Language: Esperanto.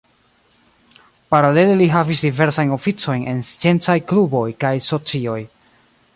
Paralele li havis diversajn oficojn en sciencaj kluboj kaj socioj.